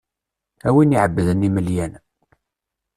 A win iɛebḏen imelyan.